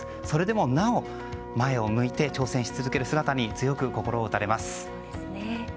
それでもなお、前を向いて挑戦し続ける姿に強く心を打たれます。